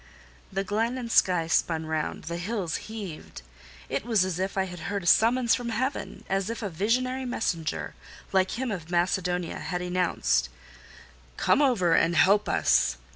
The glen and sky spun round: the hills heaved! It was as if I had heard a summons from Heaven—as if a visionary messenger, like him of Macedonia, had enounced, "Come over and help us!"